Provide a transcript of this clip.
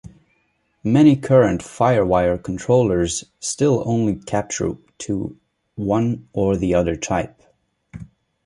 Many current FireWire controllers still only capture to one or the other type.